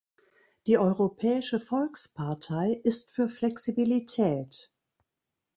Die Europäische Volkspartei ist für Flexibilität.